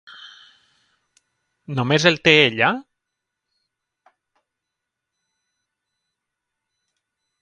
Només el té ella?